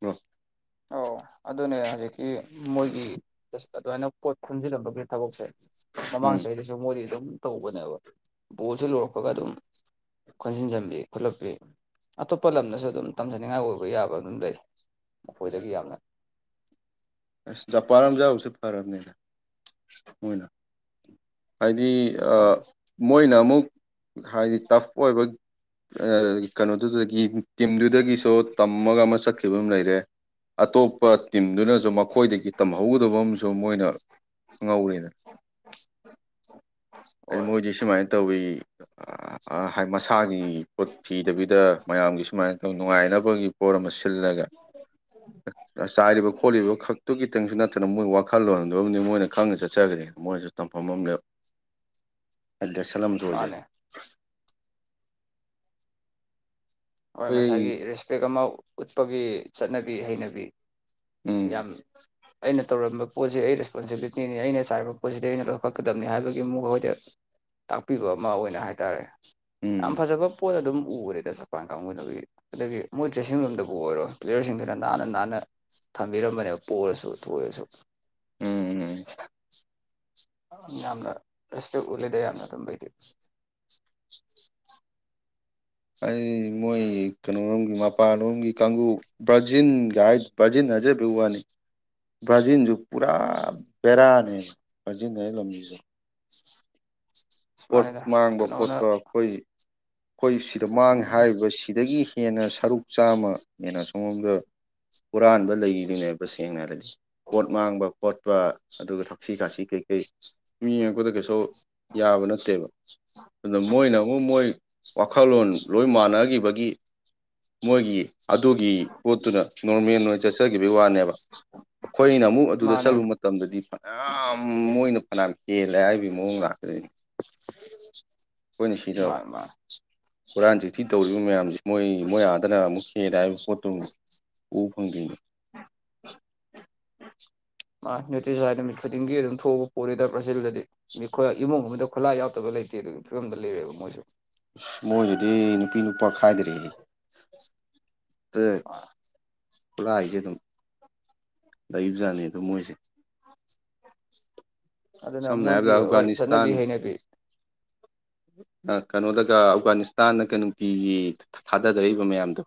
ꯕ꯭ꯔꫭ ꯑꯧ ꯑꯗꯨꯅꯦ ꯍꯧꯖꯤꯛꯀꯤ ꯃꯣꯏꯒꯤ ꯗꯁ ꯑꯗꯨꯃꯥꯏꯅ ꯄꯣꯠ ꯈꯨꯟꯖꯤꯜꯂꯝꯕꯒꯤ ꯊꯕꯛꯁꯦ ꯃꯃꯥꯡ ꯆꯍꯤꯗꯁꯨ ꯃꯣꯏꯗꯤ ꯑꯗꯨꯝ ꯇꯧꯕꯅꯦꯕ ꯕꯣꯜꯁꯦ ꯂꫭꯔꯛꯄꯒ ꯑꯗꯨꯝ ꯈꯣꯟꯖꯤꯟꯖꯟꯕꯤ ꯈꯣꯠꯂꯛꯄꯤ ꯑꯇꯣꯞꯄ ꯂꯝꯗꯁꯨ ꯑꯗꯨꯝ ꯇꯝꯖꯅꯤꯡꯉꯥꯏ ꯑꯣꯏꯕ ꯌꯥꯕ ꯑꯗꯨꯝ ꯂꯩ ꯃꯈꯣꯏꯗꯒꯤ ꯌꯥꯝꯅ ꯑꯁ ꯖꯄꯥꯟ ꯑꯝ ꯌꯥꯎꯔꯤꯁꯦ ꯐꯔꯝꯅꯦ ꯃꯣꯏꯅ ꯍꯥꯏꯗꯤ ꯎꯝ ꯃꯣꯏꯅ ꯑꯃꯨꯛ ꯍꯥꯏꯗꯤ ꯇꯐ ꯑꯣꯏꯕunintelligible ꯀꯩꯅꯣꯗꯨꯗꯒꯤ ꯇꯤꯝꯗꯨꯗꯒꯤꯁꯨ ꯇꯝꯃꯒ ꯑꯃ ꯆꯠꯈꯤꯕ ꯑꯃ ꯂꯩꯔꯦ ꯑꯇꯣꯞꯄ ꯇꯤꯝꯗꯨꯅꯁꯨ ꯃꯈꯣꯏꯗꯒꯤ ꯇꯝꯍꯧꯒꯗꯕ ꯑꯃꯁꯨ ꯃꯣꯏꯅ ꯈꯪꯍꯧꯔꯦꯗꯅ ꯑꯗꯨ ꯍꯣꯏ ꯃꯣꯏꯗꯤ ꯁꯨꯃꯥꯏꯅ ꯇꯧꯋꯤ ꯃꯁꯥꯒꯤ ꯄꯣꯠ ꯊꯤꯗꯕꯤꯗ ꯃꯌꯥꯝꯒꯤ ꯁꯨꯃꯥꯏꯅ ꯅꯨꯡꯉꯥꯏꯅꯕꯒꯤ ꯐꯣꯔ ꯑꯃ ꯁꯤꯜꯂꯒ ꯆꯥꯏꯔꯤꯕ ꯈꯣꯠꯂꯤꯕ ꯈꯛ unintelligible ꯑꯗꯨ ꯈꯤꯇꯪꯁꯨ ꯅꯠꯇꯅ ꯃꯣꯏ ꯋꯥꯈꯜꯂꫭꯟꯗꯨꯝꯗꯤ ꯃꯣꯏꯅ ꯈꯪꯅ ꯆꯠꯆꯒꯔꯦꯗꯅ ꯃꯣꯏꯅꯁꯨ ꯇꯝꯐꯝ ꯑꯃ ꯂꯩꯍꯧ ꯂꯦꯁꯟ ꯑꯃꯖꯨ ꯑꫭꯏꯖꯔꯦ ꯃꯥꯅꯦ ꯍꯣꯏ ꯉꯁꯥꯏꯒꯤ ꯑꯩꯈꯣꯏ ꯔꯦꯁꯄꯦꯛ ꯑꯃ ꯎꯠꯄꯒꯤ ꯆꯠꯅꯕꯤ ꯍꯩꯅꯕꯤ ꯎꯝ ꯌꯥꯝ ꯑꯩꯅ ꯇꯧꯔꯝꯕ ꯄꯣꯠꯁꯤ ꯑꯩ ꯔꯦꯁꯄꯣꯟꯁꯤꯕꯤꯂꯤꯇꯤꯅꯤ ꯑꯩꯅ ꯆꯥꯏꯔꯝꯕ ꯄꯣꯠꯁꯤꯗꯤ ꯑꯩꯅ ꯂꯧꯈꯠꯀꯗꯕꯅꯤ ꯍꯥꯏꯕꯒꯤ ꯃꫭꯈꯣꯏꯗ ꯇꯥꯛꯄꯤꯕ ꯑꯃ ꯑꯣꯏꯅ ꯍꯥꯏꯇꯥꯔꯦ ꯌꯥꯝ ꯎꯝ ꯐꯖꯕ ꯄꯣꯠ ꯑꯗꯨꯝ ꯎꯒꯔꯦꯗ ꯁꯥꯔ ꯃꯄꯥꯟ ꯀꯥꯡꯕꯨꯅ ꯎꯏ ꯑꯗꯨꯒꯤ ꯃꫭꯏ ꯗ꯭ꯔꯦꯁꯤꯡ ꯔꯨꯝꯗꯨꯕꯨ ꯑꯣꯏꯔꯣ ꯄ꯭ꯂꯦꯌꯔꯁꯤꯡꯗꯨꯅ ꯅꯥꯟꯅ ꯅꯥꯟꯅ ꯊꯝꯕꯤꯔꯝꯕꯅꯦꯕ ꯄꫭꯔꯁꯨ ꯊꯣꯏꯔꯁꯨ ꯎꯝ ꯌꯥꯝꯅ ꯔꯦꯁꯄꯦꯛ ꯎꯠꯂꯤꯗ ꯌꯥꯝꯅ ꯑꯗꯨꯝꯕꯩꯗꯤ ꯑꯩ ꯃꯣꯏ ꯀꯩꯅꫭꯔꯣꯝꯒꯤ ꯃꯄꯥꯜꯂꯣꯝꯒꯤ ꯀꯥꯡꯒꯨ ꯄ꯭ꯔ ꯖꯤꯟ ꯒꯥꯏ ꯕ꯭ꯔꯖꯤꯟ ꯍꯥꯏꯖꯕꯩ ꯋꯥꯅꯤ ꯕ꯭ꯔꯥꯖꯤꯟꯁꯨ ꯄꯨꯔꯥ ꯕꯦꯔꯥꯅꯦ ꯕ꯭ꯔꯥꯖꯤꯟ ꯍꯥꯏ ꯂꯝꯁꯤꯁꯨ ꯄꯣꯠ ꯃꯥꯅꯤꯗ ꯃꯥꯡꯕ ꯀꯩꯅꯣꯅ ꯈꯣꯠꯄ ꯑꯈꯣꯏ ꯑꯩꯈꯣꯏ ꯁꯤꯗ ꯃꯥꯡꯉꯦ ꯎꯝ ꯍꯥꯏꯔꯤꯕ ꯁꯤꯗꯒꯤ ꯍꯦꯟꯅ ꯁꯔꯨꯛ ꯆꯥꯝꯃ ꯍꯦꯟꯅ ꯑꯁꯣꯝꯂꯣꯝꯗ ꯍꯨꯔꯥꯟꯕ ꯂꯩꯔꯤꯅꯦꯕ ꯁꯦꯡꯅ ꯍꯥꯏꯔꯗꯤ ꯄꯣꯠ ꯃꯥꯡꯕ ꯄꯣꯠ ꯆꯠꯄ ꯑꯗꯨꯒ ꯊꯛꯁꯤ ꯈꯥꯁꯤ ꯀꯩꯀꯩ ꯃꯤ ꯌꯦꯡꯉꯛꯄꯗ ꯀꯩꯁꯨ ꯌꯥꯕ ꯅꯠꯇꯦꯕ ꯑꯗꯨ ꯃꯣꯏꯅꯃꯨꯛ ꯃꯣꯏ ꯋꯥꯈꯜꯂꯣꯟ ꯂꯣꯏ ꯃꯥꯟꯅꯈꯤꯕꯒꯤ ꯃꯣꯏꯒꯤ ꯑꯗꯨꯒꯤ ꯄꯣꯠꯇꯨꯅ ꯅꯣꯔꯃꯦꯜ ꯑꯣꯏꯅ ꯆꯠꯆꯈꯤꯕꯒꯤ ꯋꯥꯅꯦꯕ ꯑꯩꯈꯣꯏꯅ ꯑꯃꯨꯛ ꯑꯗꯨꯗ ꯃꯥꯅꯦ ꯆꯠꯂꯨ ꯃꯥ ꯃꯇꯝꯗꯗꯤ ꯐꯅꯌꯥꯝ ꯃꯣꯏꯅ ꯐꯅꯥꯝ ꯍꯦꯂꯦ ꯍꯥꯏꯕꯒꯤ ꯃꯑꯣꯡ ꯂꯥꯛꯀꯗꯣꯏꯅꯤ ꯑꯈꯣꯏꯅꯥ ꯃꯥꯅꯦ ꯁꯤꯗꯥꯃꯨꯛ ꯃꯥꯅꯦ ꯍꯨꯔꯥꯟ ꯆꯤꯟꯊꯤ ꯇꯧꯔꯤꯕ ꯃꯌꯥꯝꯁꯦ ꯃꯣꯏ ꯃꯣꯏ ꯑꯥꯗꯅ ꯑꯃꯨꯛ ꯍꯦꯂꯦ ꯍꯥꯏꯕ ꯄꯣꯠꯇꯨꯃꯨꯛ ꯎ ꯐꯪꯗꯣꯢꯅꯦ ꯑꯥꯢ ꯅꯨꯡꯇꯤ ꯖꯥꯏ ꯅꯨꯃꯤꯠ ꯈꯨꯗꯤꯡꯒꯤ ꯑꯗꯨꯝ ꯊꯣꯛꯑꯕ ꯄꯣꯠꯅꯤꯗ ꯕ꯭ꯔꯥꯖꯤꯜꯗꯗꯤ ꯃꯤꯈꯣꯏ ꯏꯃꯨꯡ ꯑꯃꯗ ꯈꯨꯠꯂꯥꯏ ꯌꯥꯎꯗꯕ ꯂꯩꯇꯦ ꯑꯗꯨꯒꯤ ꯐꯤꯕꯝꯗ ꯂꯩꯔꯦꯕ ꯃꯣꯏꯁꯨ ꯃꯣꯏꯅꯗꯤ ꯅꯨꯄꯤ ꯅꯨꯞ ꯄ ꯈꯥꯏꯗ꯭ꯔꯦꯌꯦ [unintelligible] [unintelligible] ꯈꯨꯠꯂꯥꯏꯁꯦ ꯑꯗꯨꯝ ꯂꯩꯕꯖꯥꯠꯅꯤ ꯑꯗꯨꯝ ꯃꯣꯏꯁꯦ ꯑꯗꯨꯅ ꯁꯝꯅ ꯃꯣꯏꯒꯤ ꯍꯥꯏꯔꯕꯗ ꯍꯣꯏ ꯑꯐꯒꯥꯅꯤꯁꯇꯥꯟ ꯆꯠꯅꯕꯤ ꯍꯩꯅꯕꯤ ꯀꯩꯅꯣꯗꯒ ꯑꯐꯒꯥꯅꯤꯁꯇꯥꯟꯗ ꯀ ꯅꯨꯡꯇꯤꯒꯤ ꯊꯥꯗꯔꯛꯏꯕ ꯃꯌꯥꯝꯗꯣ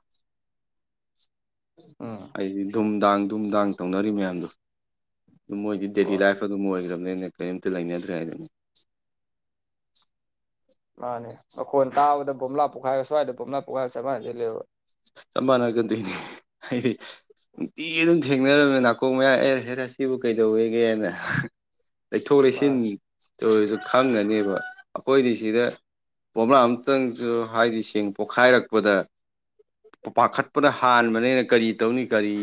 ꯑꯥ ꯗꯩꯩꯗꯤ ꯗꯨꯝ ꯗꯥꯡ ꯗꯨꯝ ꯗꯥꯡ ꯇꯧꯅꯔꯤ ꯃꯌꯥꯝꯗꯣ ꯑꯗꯨꯝ ꯃꯣꯏꯗꯤ ꯗꯦꯂꯤ ꯍꯣꯏ ꯂꯥꯏꯐ ꯑꯗꯨꯝ ꯑꯣꯏꯒ꯭ꯔꯝꯅꯤꯅꯦ ꯀꯔꯤꯝꯇ ꯂꯩꯅꯗ꯭ꯔꯦ ꯍꯥꯏꯗꯨꯅꯤ ꯃꯥꯅꯦ ꯃꯈꯣꯟ ꯇꯥꯕꯗ ꯕꯣꯝꯂꯥ ꯄꯣꯈꯥꯏꯕ ꯁ꯭ꯋꯥꯏꯗ ꯕꯣꯝꯕ꯭ꯂꯥ ꯄꯣꯛꯈꯥꯏꯕꯒꯥ ꯆꯞ ꯃꯥꯟꯅꯥꯖꯤꯜꯂꯛꯑꯦꯕꯥ ꯆꯞ ꯃꯥꯟꯅꯒꯟꯗꯣꯏꯅꯦ ꯍꯥꯏꯗꯤ ꯅꯨꯡꯇꯤ ꯑꯗꯨꯝ ꯊꯦꯡꯅꯔꯝꯃꯦ ꯅꯥꯀꯣꯡ ꯃꯌꯥꯗ ꯑꯦ ꯍꯦꯔꯥ ꯁꯤꯕꯨ ꯀꯩꯗꯧꯋꯦꯒꯦꯅ ꯂꯩꯊꯣꯛ ꯂꯩꯁꯤꯟ ꯃꯥꯅꯦ ꯇꯧꯔꯤꯗꯣ ꯈꯪꯉꯝꯒꯅꯦꯕ ꯑꯩꯈꯣꯏꯗꯤ ꯁꯤꯗ ꯕꯣꯝꯕ꯭ꯂꯥ ꯈꯤꯇꯪꯁꯨ ꯍꯥꯏꯗꯤ ꯁꯦꯡ ꯄꯣꯛꯈꯥꯏꯔꯛꯄꯗ ꯄꯥ ꯄꯥꯈꯠꯄꯅ ꯍꯥꯟꯕꯅꯤꯅ ꯀꯔꯤ ꯇꯧꯅꯤ ꯀꯔꯤ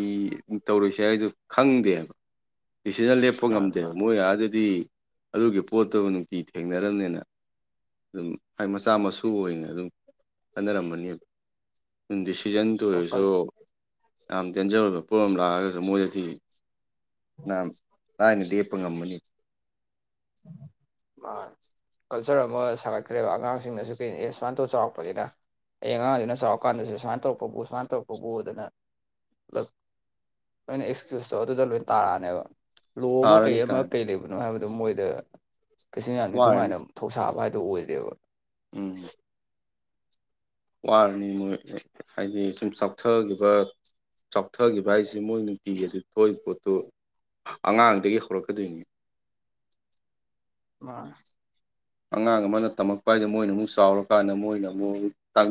ꯇꯧꯔꯣꯏꯁꯦ ꯍꯥꯏꯗꯨ ꯈꯪꯗꯦꯕ ꯗꯤꯁꯤꯖꯟ ꯂꯦꯞꯄ ꯃꯥꯅꯦ ꯉꯝꯗꯦꯕ ꯃꯥꯅꯦ ꯃꯣꯏ ꯑꯥꯗꯗꯤ ꯑꯗꯨꯒꯤ ꯄꯣꯠꯇꯨ ꯅꯨꯡꯇꯤꯒꯤ ꯊꯦꯡꯅꯔꯝꯅꯤꯅ ꯑꯗꯨꯝ ꯍꯥꯏ ꯃꯆꯥ ꯃꯁꯨ ꯑꯣꯏꯅ ꯑꯗꯨꯝ ꯈꯟꯅꯔꯝꯃꯅꯤꯕ ꯑ ꯗꯤꯁꯤꯖꯟꯇ ꯑꯣꯏꯔꯁꯨ ꯀꯜ- ꯌꯥꯝ ꯗꯦꯟꯖꯔ ꯑꯣꯏꯕ ꯄꯣꯠ ꯑꯃ ꯂꯥꯛꯑꯒꯁꯨ ꯃꯣꯏꯗꯗꯤ ꯐꯅꯥꯌꯥꯝ ꯂꯥꯏꯅꯥ ꯂꯦꯞꯄꯥ ꯉꯝꯃꯅꯤ ꯃꯥꯟ ꯀꯜꯆꯔ ꯑꯃ ꯁꯥꯒꯠꯈ꯭ꯔꯦꯕ ꯑꯉꯥꯡꯁꯤꯡꯅꯁꯨ ꯀꯩ ꯑꯦ ꯁꯨꯃꯥꯏꯅꯇꯧ ꯆꯥꯎꯔꯛꯄꯅꯤꯅ ꯍꯌꯦꯡ ꯑꯉꯥꯡꯗꯨꯅ ꯆꯥꯎꯔꯀꯥꯟꯗꯁꯨ ꯁꯨꯃꯥꯏꯅ ꯇꯧꯔꯛꯄꯕꯨ ꯁꯨꯃꯥꯏꯅ ꯇꯧꯔꯛꯄꯕꯨ ꯑꯗꯨꯅ ꯄꯨꯂꯞ ꯂꯣꯏꯅ ꯑꯦꯛꯁꯀ꯭ꯌꯨꯁꯇꯣ ꯑꯗꯨꯗ ꯂꯣꯏ ꯇꯥꯔꯛꯑꯅꯦꯕ ꯂꯣ ꯑꯃ ꯀꯩ ꯊꯥꯔꯅꯤ ꯑꯃ ꯇꯥꯔꯅꯤ ꯀꯩ ꯂꯩꯕꯅꯣ ꯍꯥꯏꯕꯗꯨ ꯃꯣꯏꯗ ꯀꯩꯁꯨ ꯌꯥꯝ ꯋꯥꯔꯅꯤ ꯏꯟꯊꯨꯉꯥꯏꯅ ꯊꯧꯁꯥꯕ ꯍꯥꯏꯗꯨ ꯑꯣꯏꯗꯦꯕ ꯎꯝ ꯋꯥꯔꯅꯤ ꯃꯣꯏ ꯍꯥꯏꯗꯤ ꯁꯨꯝ ꯆꯥꯎꯊꯈꯤꯕ ꯆꯥꯎꯊꯈꯤꯕ ꯍꯥꯏꯁꯤ ꯃꯣꯏ ꯅꯨꯡꯇꯤꯒꯤ ꯑꯗꯨ ꯊꯣꯛꯏ ꯄꯣꯠꯇꯨ ꯑꯉꯥꯡꯗꯒꯤ ꯍꯧꯔꯛꯀꯗꯣꯏꯅꯤ ꯃꯅꯤ ꯑꯉꯥꯡ ꯑꯃꯅ ꯇꯝꯃꯛꯄ ꯍꯥꯏꯗꯣ ꯃꯣꯏꯅꯃꯨꯛ ꯆꯥꯎꯔꯀꯥꯟꯗ ꯃꯣꯏꯅ ꯑꯃꯨꯛ ꯇꯝ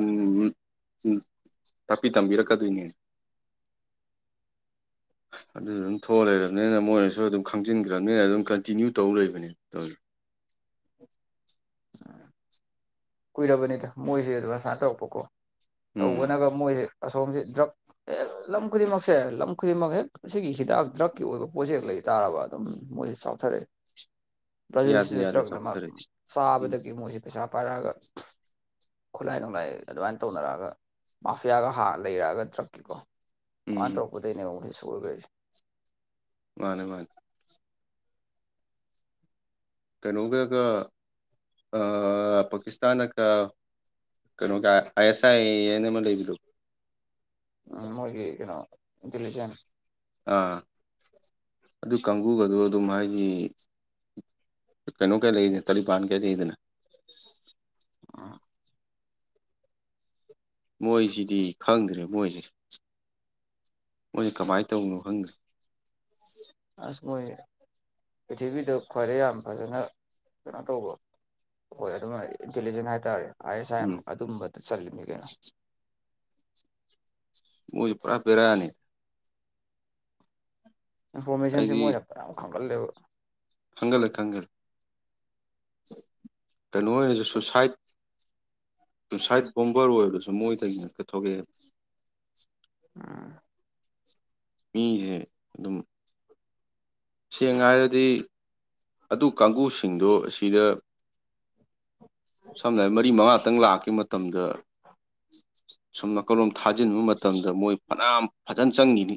ꯎꯝ ꯇꯥꯛꯄꯤ ꯇꯝꯕꯤꯔꯛꯀꯗꯣꯏꯅꯦ [inaudible] ꯑꯗꯨ ꯑꯗꯨꯝ ꯊꯣꯛꯑ ꯂꯩꯔꯕꯅꯤꯅ ꯃꯣꯏꯅꯁꯨ ꯑꯗꯨꯝ ꯈꯪꯖꯤꯟꯈ꯭ꯔꯕꯅꯤꯅ ꯑꯗꯨꯝ ꯀꯟꯇꯤꯅ꯭ꯌꯨ ꯇꯧ ꯂꯩꯕꯅꯦ ꯇꯧꯔꯤ ꯀꯨꯏꯔꯕꯅꯤꯗ ꯃꯣꯏꯁꯦ ꯑꯗꯨꯝ ꯑꯁꯥꯏ ꯇꯧꯔꯛꯄꯀꯣ ꯎꯝ ꯇꯧꯕꯅꯒ ꯃꯣꯏꯁꯦ ꯑꯁꯣꯝꯁꯦ ꯗ꯭ꯔꯛ ꯍꯦꯛ ꯂꯝ ꯈꯨꯗꯤꯡꯃꯛꯁꯦ ꯂꯝ ꯈꯨꯗꯤꯡꯃꯛ ꯍꯦꯛ ꯑꯁꯤꯒꯤ ꯍꯤꯗꯥꯛ ꯗ꯭ꯔꯛꯀꯤ ꯑꯣꯏꯕ ꯄꯣꯠꯁꯦ ꯍꯦꯛ ꯂꯩꯇꯥꯔꯕ ꯑꯗꯨꯝ ꯃꯣꯏꯁꯤ ꯆꯥꯎꯊꯔꯛꯑꯦ ꯌꯥꯗꯦ ꯖꯜꯁꯤꯁꯨ ꯌꯥꯗꯦ ꯗ꯭ꯔꯛꯅ ꯑꯃ ꯆꯥꯎꯊꯔꯗꯤ ꯎꯝ ꯆꯥꯕꯗꯒꯤ ꯃꯣꯏꯁꯤ ꯄꯩꯁꯥ ꯄꯥꯏꯔꯛꯑꯒ ꯈꯨꯠꯂꯥꯏ ꯅꯨꯡꯂꯥꯏ ꯑꯗꯨꯃꯥꯏꯅ ꯇꯧꯅꯔꯛꯑꯒ ꯃꯥꯐꯤꯌꯥꯒ ꯍꯥ ꯂꯩꯔꯛꯑꯒ ꯇ꯭ꯔꯛꯀꯤꯀꯣ ꯋꯥꯟ ꯎꯝ ꯇ꯭ꯔꯄꯗꯅꯦ ꯁꯒꯦꯦ ꯃꯥꯅꯦ ꯃꯥꯅꯦ ꯀꯩꯅꯣꯒ ꯀ ꯑ ꯄꯥꯀꯤꯇꯥꯟ ꯀ ꯀꯩꯅ ꯑ ꯑꯦꯁ ꯑꯥꯏ ꯂꯩꯕꯤꯗꯣ ꯎꯝ ꯃꯣꯏꯒꯤ ꯀꯩꯅꯣ ꯜꯂꯤ ꯆꯅꯤ ꯑꯥ ꯑꯗꯨ ꯀꯥꯡꯕꯨꯒꯗ ꯑꯗꯨꯝ ꯍꯥꯏꯗꯤ ꯀꯩꯅꯣ ꯀꯌꯥ ꯂꯩꯗ ꯇꯔꯤ ꯄꯅ ꯀꯌꯥ ꯆꯩꯗꯅꯦ ꯎꯝ ꯃꯣꯏꯁꯤꯗꯤ ꯈꯪꯗ꯭ꯔꯦ ꯃꯣꯏꯁꯤꯦ ꯃꯣꯏꯁꯦ ꯀꯃꯥꯏꯅ ꯇꯧꯅꯣ ꯈꯪꯗ꯭ꯔꯦ ꯑꯁꯕꯨꯣꯏ ꯄ꯭ꯔꯤꯊꯤꯔꯤꯕꯕꯤꯗ ꯈ꯭ꯋꯥꯏꯗꯩ ꯌꯥꯝ ꯐꯖꯅ ꯀꯩꯅꯣ ꯇꯧꯕ ꯍꯣꯏ ꯑꯗꯨꯝ ꯏꯟꯇꯤꯂꯤꯖꯦꯟ ꯍꯥꯏꯇꯥꯔꯦ ꯑꯥꯏ ꯑꯦꯁ ꯑꯥꯏ ꯎꯝ ꯑꯗꯨꯝꯕꯗ ꯆꯜꯂꯤꯕꯅꯤ ꯀꯩꯅꯣ ꯃ ꯄꯨꯔ ꯐꯦꯔꯅꯤ ꯏꯟꯐꯣꯔꯃꯦꯁꯟꯁꯤꯦ ꯑꯩꯗꯤ ꯃꯣꯏꯅ ꯃꯌꯥꯝ ꯈꯪꯒꯠꯜꯂꯦꯕ ꯍꯪꯒꯂꯛ ꯍꯪꯜ ꯀꯩꯅꯣ ꯑꯣꯏꯅꯁꯨ ꯁꯨꯏꯁꯥꯏꯠ ꯁꯥꯏꯠ ꯕꯣꯝꯕꯔ ꯑꯣꯏꯕꯗꯨꯁꯨ ꯃꯣꯏꯗꯒꯤ ꯉꯛꯇ ꯊꯣꯛꯂꯛꯑꯦꯕ ꯑꯝ ꯃꯤꯁꯦ ꯑꯗꯨꯝ ꯁꯦꯡꯅ ꯍꯥꯏꯔꯗꯤ ꯑꯗꯨ ꯀꯥꯡꯕꯨꯁꯤꯡꯗꯣ ꯑꯁꯤꯗ ꯁꯝꯅ ꯍꯥꯏꯔꯕ ꯃꯔꯤ ꯃꯉꯥꯇꯪ ꯂꯥꯛꯈꯤꯕ ꯃꯇꯝꯗ ꯁꯨꯝ ꯀꯂꯣꯝ ꯊꯥꯖꯤꯟꯕ ꯃꯇꯝꯗ ꯃꯣꯏ ꯐꯅꯌꯥꯝ ꯐꯖꯅ ꯆꯪꯈꯤꯅꯤ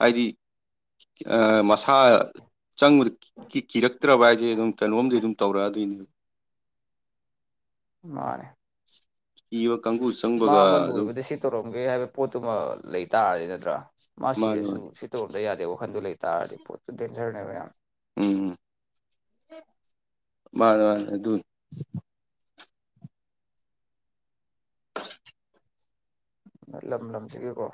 ꯍꯥꯏꯗꯤ ꯃꯁꯥ ꯆꯪꯉ ꯆꯛꯇ꯭ꯔꯕ ꯍꯥꯏꯁꯦ ꯑꯗꯨꯝ ꯀꯩꯅꯣꯝꯗꯤ ꯑꯗꯨꯝ ꯇꯧꯔꯛꯑꯗꯣꯏꯅꯦꯕ ꯃꯥꯔꯦ ꯏ ꯀꯪꯨꯁ ꯃꯥ ꯑꯃ ꯂꯣꯏꯕꯗ ꯁꯤ ꯇꯧꯔꯝꯒꯦ ꯍꯥꯏꯕ ꯄꯣꯠꯇꯨꯃ ꯂꯩ ꯇꯥꯔꯗꯤ ꯅꯠꯇ꯭ꯔꯥ ꯃꯥ ꯃꯥꯅꯦ ꯁꯤꯔꯁꯨ ꯃꯥꯅꯦ ꯇꯔꯣꯟꯗ ꯌꯥꯗꯦ ꯋꯥꯈꯟꯗꯨ ꯂꯩꯇꯥꯔꯗꯤ ꯄꯣꯠꯇꯨ ꯗꯦꯟꯖꯔꯅꯦꯕ ꯌꯥꯝ ꯎꯝ ꯃꯥꯔꯔ ꯑꯗꯨ ꯂꯝ ꯂꯝꯁꯤꯒꯤꯀꯣ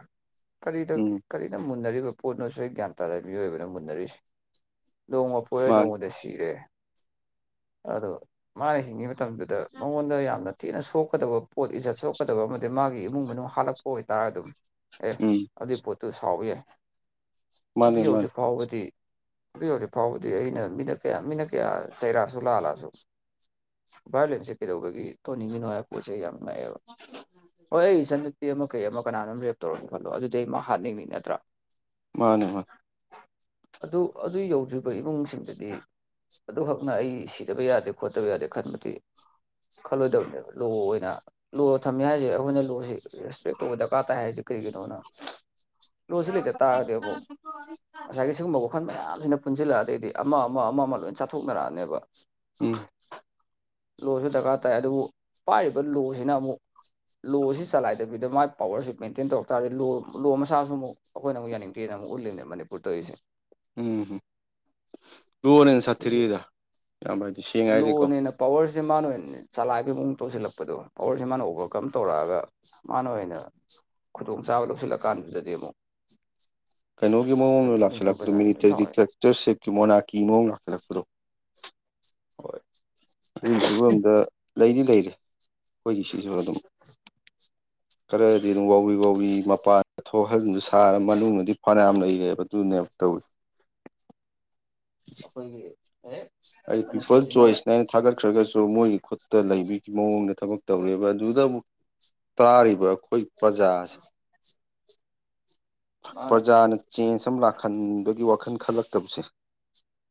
ꯀꯔꯤꯗ ꯎꯝ ꯀꯔꯤꯅ ꯃꯨꯟꯅꯔꯤꯕ ꯄꯣꯠꯅꯣꯁꯨ ꯑꯩ ꯒ꯭ꯌꯥꯟ ꯇꯥꯔ ꯃꯤꯑꯣꯏꯕꯅ ꯃꯨꯟꯅꯔꯤꯁꯦ ꯅꯣꯡꯃ ꯀꯣꯏꯔ ꯃꯥꯅꯦ ꯅꯉꯣꯟꯗ ꯁꯤꯔꯦ ꯑꯗꯣ ꯃꯥꯅ ꯍꯤꯡꯉꯤꯕ ꯃꯇꯝꯗꯨꯗ ꯃꯉꯣꯟꯗ ꯌꯥꯝꯅ ꯊꯤꯅ ꯁꯣꯛꯀꯗꯕ ꯄꯣꯠ ꯏꯖꯠ ꯁꯣꯛꯀꯗꯕ ꯑꯃꯗꯤ ꯃꯥꯒꯤ ꯏꯃꯨꯡ ꯃꯅꯨꯡ ꯍꯥꯜꯂꯛꯄ ꯑꯣꯏꯇꯥꯔꯦ ꯑꯗꯨꯝ ꯑꯦ ꯎꯝ ꯑꯗꯨꯏ ꯄꯣꯠꯇꯨ ꯁꯥꯎ ꯌꯥꯏ ꯑꯗꯨ ꯃꯥꯅꯦ ꯌꯧꯗ꯭ꯔꯤ ꯃꯥꯅꯦ ꯐꯥꯎꯕꯗꯤ ꯍꯧꯖꯤꯛ ꯍꯧꯖꯤꯛ ꯐꯥꯎꯕꯗꯤ ꯑꯩꯅ ꯃꯤꯅ ꯀꯌꯥ ꯃꯤꯅ ꯀꯌꯥ ꯆꯩꯔꯛꯁꯨ ꯂꯥꯛꯂꯑꯁꯨ ꯚꯥꯏꯌꯣꯂꯦꯟꯁꯦ ꯀꯩꯗꯧꯕꯒꯤ ꯊꯅꯤꯡꯒꯤꯅꯣꯄꯣꯁꯦ ꯌꯥꯝ ꯅꯨꯡꯥꯏꯌꯦꯕ ꯍꯣꯏ ꯑꯩ ꯆꯛꯇꯤ ꯑꯃ ꯀꯩ ꯑꯃ ꯀꯅꯥꯅ ꯑꯃ ꯔꯦꯞ ꯇꯧꯔꯅ ꯈꯜꯂꯣ ꯑꯗꯨꯗꯤ ꯑꯩ ꯃꯥ ꯍꯥꯠꯅꯤꯡꯉꯤ ꯅꯠꯇ꯭ꯔꯥ ꯃꯥꯅꯦ ꯃꯥ ꯑꯗꯨ ꯑꯗꯨ ꯌꯧꯗ꯭ꯔꯤꯕ ꯏꯃꯨꯡꯁꯤꯡꯗꯗꯤ ꯑꯗꯨꯈꯛꯅ ꯑꯩ ꯁꯤꯗꯕ ꯌꯥꯗꯦ ꯈꯣꯠꯇꯕ ꯌꯥꯗꯦ ꯈꯟꯕꯗꯤ ꯈꯜꯂꯣꯏꯗꯕꯅꯦꯕ ꯂꯣ ꯑꯣꯏꯅ ꯂꯣ ꯊꯝꯃꯤ ꯍꯥꯏꯁꯦ ꯑꯩꯈꯣꯏꯅ ꯂꯣꯁꯤ ꯔꯦꯁꯄꯦꯛ ꯇꯧꯕ ꯗꯔꯀꯥꯔ ꯇꯥꯏ ꯍꯥꯏꯁꯦ ꯀꯔꯤꯒꯤꯅꯣꯅ ꯂꯣꯁꯤ ꯂꯩꯇ ꯇꯥꯔꯒꯗꯤ ꯑꯃꯛ ꯉꯁꯥꯏꯒꯤ ꯁꯤꯒꯨꯝꯕ ꯋꯥꯈꯜ ꯃꯌꯥꯝꯁꯤꯅ ꯄꯨꯟꯁꯤꯜꯂꯛꯑ ꯑꯗꯩꯗꯤ ꯑꯃ ꯑꯃ ꯑꯃ ꯂꯣꯏ ꯆꯥꯊꯣꯛꯅꯔꯛꯑꯅꯦꯕ ꯎꯝ ꯂꯣꯁꯨ ꯗꯔꯀꯥꯔ ꯇꯥꯏ ꯑꯗꯨꯕꯨ ꯄꯥꯏꯔꯤꯕ ꯂꯣꯁꯤꯅ ꯑꯃꯨꯛ ꯂꯣꯁꯤ ꯆꯂꯥꯏꯗꯕꯤꯗ ꯃꯥꯏ ꯄꯋꯥꯔꯁꯤ ꯃꯦꯟꯇꯦꯟ ꯇꯧꯔꯛ ꯇꯥꯔꯗꯤ ꯂꯣ ꯂꯣ ꯃꯁꯥꯁꯨ ꯑꯃꯨꯛ ꯑꯩꯈꯣꯏꯅ ꯑꯃꯨꯛ ꯌꯥꯅꯤꯡꯗꯦꯅ ꯑꯃꯛ ꯎꯠꯂꯤꯅꯦ ꯃꯅꯤꯄꯨꯔ ꯇꯧꯔꯤꯁꯦ ꯎꯝꯝ ꯂꯣꯅ ꯍ‌ꯣꯟꯅ ꯁꯤꯁꯦ ꯁꯥꯊꯤꯔ‌ꯦꯗ ꯏꯌꯥꯝꯕ ꯍꯥꯏꯗꯤ ꯁꯦꯡꯅ ꯍꯥꯏꯔꯗꯤꯀꯣ ꯂꯣꯅꯦꯅ ꯄꯋꯥꯔꯁꯦ ꯃꯥꯅ ꯆꯂꯥꯏꯕꯩ ꯃꯑꯣꯡ ꯇꯧꯁꯤꯜꯂꯛꯄꯗꯣ ꯄꯋꯥꯔꯁꯦ ꯃꯥꯅ ꯑꯣꯚꯔꯀꯝ ꯇꯧꯔꯛꯑꯒ ꯃꯥꯅ ꯑꯣꯏꯅ ꯈꯨꯗꯣꯡꯆꯥꯥꯕ ꯂꯧꯁꯤꯜꯂꯀꯥꯟꯗꯨꯗꯗꯤ ꯑꯃꯨꯛ ꯀꯩꯅꯣꯒꯤ ꯃꯑꯣꯡꯗꯣ ꯃꯅꯤꯄꯨꯔ ꯂꯥꯛꯁꯤꯜꯂꯛꯄꯣ ꯄ꯭ꯔꯖꯥꯁꯦ ꯂꯣꯏ ꯃꯤꯅꯤꯇꯔꯤ ꯁꯥꯎꯔꯛꯑꯦ ꯗꯤꯇꯔꯦꯛꯇꯔꯁꯤꯞꯀꯤ ꯃꯣꯔꯅꯥꯛꯀꯤ ꯃꯑꯣꯡ ꯂꯥꯛꯁꯤꯜꯂꯛꯄꯗꯣ ꯍꯣꯏ꯫ ꯑꯗꯨꯒꯤ ꯁꯨꯕꯝꯗ ꯂꯩꯗꯤ ꯂꯩꯔ‌ꯦ ꯑꯩꯈꯣꯏꯒꯤ ꯁꯤꯁꯨ ꯑꯗꯨꯝ꯫ ꯈꯔꯗꯤ ꯑꯗꯨꯝ ꯋꯥꯥꯎꯔꯤ ꯋꯥꯥꯎꯔꯤ ꯃꯄꯥꯟ ꯊꯣꯛꯍꯟꯕ ꯁꯥꯔ ꯃꯅꯨꯡꯗꯗꯤ ꯐꯅꯌꯥꯝ ꯂꯩꯔꯦꯕ ꯑꯗꯨꯅꯦꯕ ꯇꯧ ꯑꯩꯈꯣꯏꯒꯤ ꯑꯦ ꯑꯩ ꯄꯤꯄꯜ ꯃꯅꯤꯄꯨꯔꯁꯤꯅ ꯆꯣꯏꯁꯅꯦ ꯊꯥꯒꯠꯈ꯭ꯔꯒꯁꯨ ꯃꯣꯏꯒꯤ ꯈꯨꯠꯇ ꯂꯩꯕꯒꯤ ꯃꯑꯣꯡꯗ ꯊꯕꯛ ꯇꯧꯔꯦꯕ ꯑꯗꯨꯗ ꯑꯃꯨꯛ ꯇꯥꯔꯤꯕ ꯑꯩꯈꯣꯏ ꯄ꯭ꯔꯖꯥꯁꯤ ꯃꯥꯅꯦ ꯄ꯭ꯔꯖꯥꯅ ꯆꯦꯟꯖ ꯑꯃ ꯂꯥꯛꯍꯟꯕꯒꯤ ꯋꯥꯈꯜ ꯈꯜꯂꯛꯇꯕꯁꯦ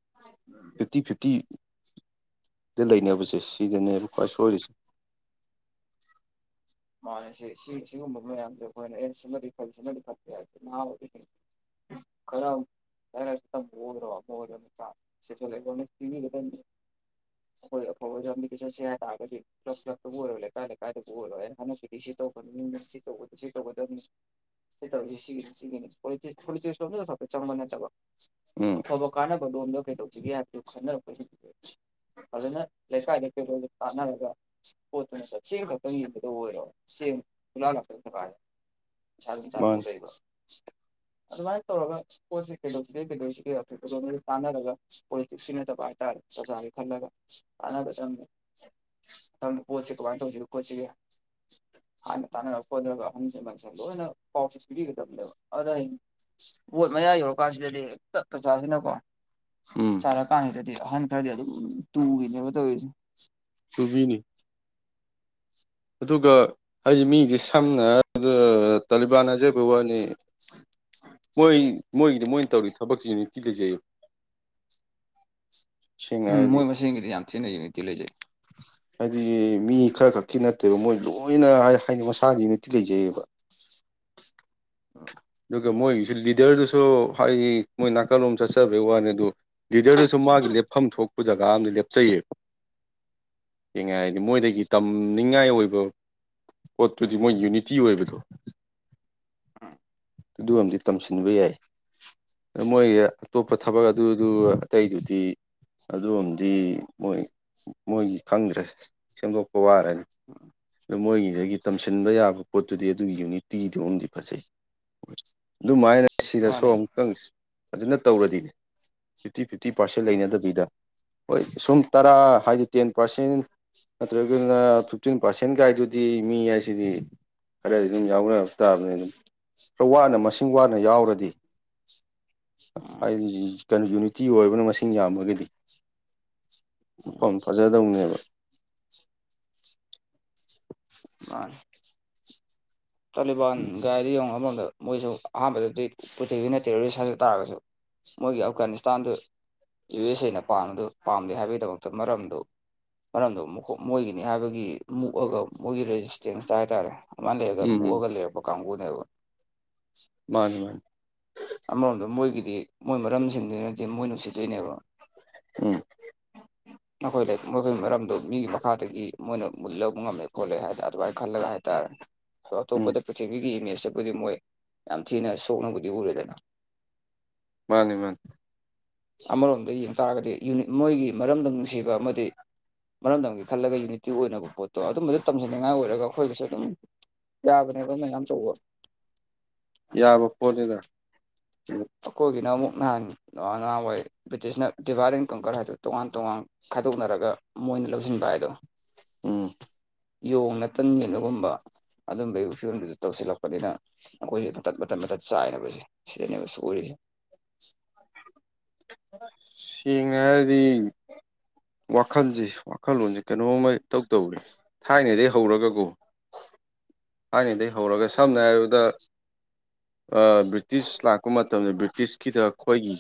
[inaudible] ꯐꯤꯞꯇꯤ ꯐꯤꯞꯇꯤ ꯗ ꯂꯩꯅꯕꯁꯦ ꯁꯤꯗꯅꯦꯕ ꯈ꯭ꯋꯥꯏ ꯁꯣꯏꯔꯤꯁꯦ꯫ ꯃꯥꯅꯦ ꯁꯤ ꯁꯤ ꯁꯤꯒꯨꯝꯕ ꯃꯌꯥꯝꯁꯦ ꯑꯩꯈꯣꯏꯅ ꯑꯦ ꯁꯤꯃꯗꯤ ꯐꯩ ꯁꯤꯃꯗꯤ ꯐꯠꯇꯦ [unintelligible] [unintelligible] [unintelligible] ꯑꯩꯈꯣꯏ ꯑꯐꯕ ꯂꯝꯕꯤꯗ ꯆꯠꯁꯦ ꯍꯥꯏ ꯇꯔꯒꯗꯤ ꯀ꯭ꯂꯕ ꯀ꯭ꯂꯕꯇꯕꯨ ꯑꯣꯏꯔꯣ ꯂꯩꯀꯥꯏ ꯂꯩꯀꯥꯏꯗꯕꯨ ꯑꯣꯏꯔꯣ [unintelligible] [unintelligible] ꯆꯪꯕ ꯅꯠꯇꯕ꯫ ꯎꯝ ꯑꯐꯕ ꯀꯥꯟꯅꯕ ꯂ‌ꯣꯝꯗ ꯀꯩꯗꯧꯁꯤꯒꯦ ꯍꯥꯏꯕꯗꯨ ꯈꯟꯅꯔꯛꯄꯁꯤ ꯐꯖꯅ ꯂꯩꯀꯥꯏꯗ [unintelligible] ꯇꯅꯔꯒ ꯃꯥꯅꯤ [unintelligible] [unintelligible] ꯑꯗꯨꯃꯥꯏ ꯇꯧꯔꯒ ꯄꯣꯠꯁꯤ ꯀꯩꯗꯧꯁꯤꯒꯦ ꯀꯩꯗꯧꯁꯤꯒꯦ ꯑꯩꯗꯣꯝ ꯇꯥꯟꯅꯔꯒ ꯄꯣꯂꯤꯇꯤꯛꯁ ꯁꯤ ꯅꯠꯇꯕ ꯍꯥꯏꯇꯥꯔꯦ ꯄ꯭ꯔꯖꯥꯒꯤ ꯈꯜꯂꯒ꯫ ꯇꯥꯟꯅꯒꯗꯕꯅ‌ꯦ ꯃꯊꯪꯗ ꯕꯣꯠꯁꯦ ꯀꯃꯥꯏ ꯇꯧꯁꯤꯒꯦ ꯈꯣꯠꯁꯤꯒꯦ ꯍꯟꯅ ꯇꯥꯟꯅꯔ ꯈꯣꯠꯂꯒ [unintelligible] ꯂ‌ꯣꯏꯅ ꯄꯥꯎꯁ ꯄꯤꯕꯤꯒꯗꯅ‌ꯦꯕ ꯑꯗꯨꯗ ꯕꯣꯠ ꯃꯌꯥ ꯌꯧꯔ ꯀꯥꯟꯁꯤꯗꯗꯤ ꯍꯦꯛꯇ ꯄ꯭ꯔꯖꯥꯁꯤꯅꯀꯣ ꯎꯝ ꯁꯥꯔ ꯀꯥꯟꯁꯤꯗꯗꯤ ꯑꯍꯟ ꯈꯔꯗꯤ ꯑꯗꯨꯝ ꯇꯨꯈꯤꯅꯦꯕ ꯇꯧꯔꯤꯁꯦ꯫ ꯇꯨꯕꯤꯅꯤ꯫ ꯑꯗꯨꯒ ꯍꯥꯏꯗꯤ ꯃꯤꯗꯤ ꯁꯝꯅ ꯍꯥꯏꯔꯒ ꯇꯥꯂꯤꯕꯥꯟ ꯍꯥꯏꯖꯕꯩ ꯋꯥꯅꯤ ꯃꯣꯏ ꯃꯣꯏꯒꯤꯗꯤ ꯃꯣꯏꯅ ꯇꯧꯔꯤ ꯊꯕꯛꯁꯤꯡ [unintelligible] ꯎꯝ ꯃꯣꯏ ꯃꯁꯦꯟꯒꯤꯗꯤ ꯌꯥꯝ ꯊꯤꯅ ꯌꯨꯅꯤꯇꯤ ꯂꯩꯖꯩ꯫ ꯍꯥꯏꯗꯤ ꯃꯤ ꯈꯔ ꯈꯛꯀꯤ ꯅꯠꯇꯦꯕ ꯃꯣꯏ ꯂꯣꯏꯅ ꯍꯥꯏꯗꯤ ꯃꯁꯥꯒꯤ ꯌꯨꯅꯤꯇꯤ ꯂꯩꯖꯩꯌ‌ꯦꯕ ꯎꯝ ꯑꯗꯨ ꯃꯣꯏꯒꯤꯁꯨ ꯂꯤꯗꯔꯗꯨꯁꯨ ꯍꯥꯏꯗꯤ ꯃꯣꯏ ꯅꯥꯀꯜꯂꯣꯝ ꯆꯠꯆꯕꯒꯤ ꯋꯥꯅꯤ ꯑꯗꯨ ꯂꯤꯗꯔꯗꯨꯁꯨ ꯃꯥꯒꯤ ꯂꯦꯞꯐꯝ ꯊꯣꯛ ꯖꯒꯥ ꯑꯃꯗ ꯂꯦꯞꯆꯩꯌꯦ ꯁ‌ꯦꯡꯅ ꯍꯥꯏꯗꯤ ꯃꯣꯏꯗꯒꯤ ꯇꯝ ꯇꯝꯅꯤꯡꯉꯥꯏ ꯑꯣꯏꯕ ꯄꯣꯠꯇꯨꯗꯤ ꯃꯣꯏ ꯌꯨꯅꯤꯇꯤ ꯑꯣꯏꯕꯗꯣ ꯎꯝ ꯑꯗꯨ ꯑꯃꯗꯤ ꯇꯝꯁꯤꯟꯕ ꯌꯥꯏ ꯃꯣꯏ ꯑꯇꯣꯞꯄ ꯊꯕꯛ ꯑꯗꯨ ꯑꯗꯨ ꯑꯇꯩꯗꯨꯗꯤ ꯑꯗꯨꯑꯝꯗꯤ ꯃꯣꯏ ꯃꯣꯏꯒꯤ ꯈꯪꯗ꯭ꯔꯦ ꯁꯦꯝꯗꯣꯛꯄ ꯋꯥꯔꯅꯤ [inaudible] ꯑꯗꯣ ꯃꯣꯏꯒꯤꯗꯒꯤ ꯇꯝꯁꯤꯟꯕ ꯌꯥꯕ ꯄꯣꯠꯇꯨꯗꯤ ꯑꯗꯨꯒꯤ ꯌꯨꯅꯤꯇꯤꯗꯨ ꯃꯗꯤ ꯐꯖꯩ ꯑꯗꯨꯃꯥꯏꯅ ꯁꯤꯗꯁꯨ ꯃꯥꯅꯦ ꯑꯃꯨꯛꯇꯪ ꯐꯖꯅ ꯇꯧꯔꯗꯤꯅꯦ ꯐꯤꯞꯇꯤ ꯐꯤꯞꯇꯤ ꯄꯥꯔꯁꯦꯟ ꯂꯩꯅꯗꯕꯤꯗ ꯍꯣꯏ ꯁꯨꯝ ꯇꯔꯥ ꯍꯥꯏꯗꯤ ꯇꯦꯟ ꯄꯥꯔꯁꯦꯟ ꯅꯠꯇ꯭ꯔꯒꯅ ꯐꯤꯞꯇꯤꯟ ꯄꯥꯔꯁꯦꯟ ꯒꯥꯏꯗꯨꯗꯤ ꯃꯤ ꯍꯥꯏꯁꯤꯗꯤ ꯈꯔꯗꯤ ꯑꯗꯨꯝ ꯌꯥꯎꯅ ꯇꯥꯥꯕꯅꯤ ꯑꯗꯨꯝ ꯈꯔ ꯋꯥꯅ ꯃꯁꯦꯟ ꯄꯨꯕꯥꯅꯥ ꯌꯥꯎꯔꯗꯤ ꯎꯝ ꯑꯩꯒꯤꯖꯤ ꯀꯟ ꯌꯨꯅꯤꯇꯤ ꯑꯣꯏꯕꯅ ꯃꯁꯤꯡ ꯌꯥꯝꯃꯒꯗꯤ ꯎꯝ ꯃꯐꯝ ꯐꯖꯗꯧꯅꯦꯕ ꯃꯥꯅꯤ ꯇꯥꯂꯤꯕꯥꯟ ꯒꯥꯏꯗꯣ ꯌꯦꯡꯉꯣ ꯑꯃꯔꯣꯝꯗ ꯃꯣꯏꯁꯨ ꯑꯍꯥꯟꯕꯗꯗꯤ ꯄ꯭ꯔꯤꯊꯤꯕꯤꯅꯥ ꯇꯦꯔꯣꯔꯤꯁ ꯍꯥꯏꯖꯕ ꯇꯥꯔꯒꯁꯨ ꯃꯣꯏꯒꯤ ꯑꯐꯒꯥꯅꯤꯁꯇꯥꯟꯗ ꯌꯨ ꯑꯦꯁ ꯑꯦꯅ ꯄꯥꯟꯕꯗꯨ ꯄꯥꯝꯗꯦ ꯍꯥꯏꯕꯒꯤꯗꯃꯛꯇ ꯃꯔꯝꯗꯨ ꯃꯔꯝꯗꫭ ꯃꯣꯏꯒꯤꯅꯤ ꯍꯥꯏꯕꯒꯤ ꯃꯨꯛꯑꯒ ꯃꯣꯏꯒꯤ ꯔꯦꯖꯤꯁꯇꯦꯟꯁꯇ ꯍꯥꯏꯇꯥꯔꯦ ꯑꯗꯨꯃꯥꯏ ꯂꯩꯌꯦ ꯎꯝ ꯎꯝ ꯃꯨꯛꯑꯒꯥ ꯔꯩꯂꯛꯄꯥ ꯀꯥꯝꯕꯨꯅꯦꯕ ꯃꯥꯅꯤ ꯃꯥꯅꯤ ꯑꯃꯔꯣꯝꯗ ꯃꯣꯏꯒꯤꯗꯤ ꯃꯣꯏ ꯃꯔꯝ ꯁꯤꯡꯗꯨꯅꯗꯤ ꯃꯣꯏ ꯅꯨꯡꯁꯤ ꯗꫭꯏꯅꯦꯕ ꯎꯝ [unintelligible] ꯑꯩꯈꯣꯏꯂꯩ ꯃꯣꯏꯒꯤ ꯃꯔꯝꯗꯣ ꯃꯤꯒꯤ ꯃꯈꯥꯗꯒꯤ ꯃꯣꯏꯅ ꯃꯨꯟꯂꯛꯄ ꯉꯝꯃꯦ ꯈꯣꯠꯂꯦ ꯍꯥꯏꯅꯥ ꯑꯗꯨꯃꯥꯏꯅ ꯈꯜꯂꯒ ꯍꯥꯏꯇꯥꯔꯦ ꯎꯝ ꯑꯇꯣꯞꯄꯗ ꯄ꯭ꯔꯤꯊꯤꯕꯤꯒꯤ ꯏꯃꯦꯖꯇ ꯕꯨꯗꯤ ꯃꯣꯏ ꯌꯥꯝ ꯊꯤꯅ ꯁꯣꯛꯅꯕꯨꯗꯤ ꯎꯔꯦꯗꯅꯥ ꯃꯥꯟꯅꯤ ꯃꯥꯅꯤ ꯑꯃꯔꯣꯝꯗꯥ ꯌꯦꯡꯕ ꯇꯥꯔꯒꯗꯤ ꯌꯨꯅꯤꯠ ꯃꯣꯏꯒꯤ ꯃꯔꯝꯗꯝ ꯅꯨꯡꯁꯤꯕ ꯑꯃꯗꯤ ꯃꯔꯝꯗꯝꯒꯤ ꯈꯜꯂꯒ ꯌꯨꯅꯤꯇꯤ ꯑꯣꯏꯅꯕꯥ ꯄꯣꯠꯇꯣ ꯑꯗꯨꯝꯕꯥ ꯑꯗꯨ ꯇꯝꯖꯅꯤꯡꯉꯥꯏ ꯑꯣꯏꯔꯒ ꯑꯩꯈꯣꯏ ꯃꯁ°ꯟ ꯑꯗꯨꯝ ꯌꯥꯕꯅꯦ ꯕꯥ ꯃꯗꯨꯃꯥꯏꯅ ꯇꯧꯕꯥ ꯌꯥꯕꯥ ꯄꯣꯠꯅꯤꯗꯥ ꯑꯩꯈꯣꯏꯒꯤꯅ ꯑꯃꯨꯛ ꯅꯍꯥꯟ ꯅꯍꯥꯟꯋꯥꯏ ꯕ꯭ꯔꯤꯇꯤꯁꯅ ꯗꯤꯚꯔ°ꯟ ꯀꯪꯀꯔ ꯍꯥꯏꯗꯨ ꯇꯣꯉꯥꯟ ꯇꯣꯉꯥꯟ ꯈꯥꯏꯗꯣꯛꯅꯔꯒ ꯃꯣꯏꯅ ꯂꯧꯁꯤꯟꯕ ꯍꯥꯏꯗꯣ ꯎꯝ ꯌꯣꯡꯅ ꯇꯟ ꯌ°ꯟꯕꯒꯨꯝꯕ ꯑꯗꯨꯝꯕꯒꯤ ꯐꯤꯕꯝꯗꯨꯗ ꯇꯧꯁꯤꯜꯂꯛꯄꯅꯤꯅ ꯑꯩꯈꯣꯏꯁꯨ ꯃꯇꯠ ꯃꯇꯠ ꯆꯥꯏꯅꯕꯥꯏꯖꯤ ꯁꯤꯗꯅꯦꯕ ꯁꫭꯏꯔꯤꯁꯤ ꯁꯦꯡꯅ ꯍꯥꯏꯔꯗꯤ ꯋꯥꯈꯜꯖꯤ ꯋꯥꯈꯜꯂꯣꯟꯖꯤ ꯀꯩꯅꯣꯝꯃꯥ ꯏꯇꯧ ꯇꯧꯔꯦ ꯊꯥꯏꯅꯗꯩ ꯍꯧꯔꯒꯀꯣ ꯊꯥꯏꯅꯗꯩ ꯍꯧꯔꯒꯥ ꯁꯝꯅꯥ ꯍꯥꯏꯔꯕꯗꯥ ꯑꯥ ꯕ꯭ꯔꯤꯇꯤꯁ ꯂꯥꯛꯄ ꯃꯇꯝꯗ ꯕ꯭ꯔꯤꯇꯤꯁꯀꯤꯗ ꯑꯈꯣꯏꯒꯤ